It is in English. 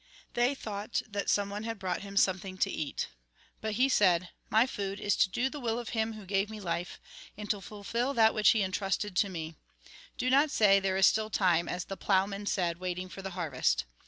They thought that someone had brought him something to eat. But he said :" My food is to do the will of Him who gave me life, and to fulfil that which He entrusted to me. Do not say, ' There is still time,' as the ploughman said, waiting for the harvest.